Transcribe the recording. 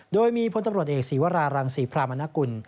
โดยมีพลตำรวจเอกศีวรารังศรีพรามนกุล